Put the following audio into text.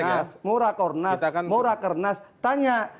murah pinas murah kornas murah kernas tanya